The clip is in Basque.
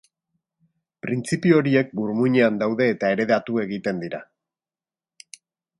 Printzipio horiek burmuinean daude eta heredatu egiten dira.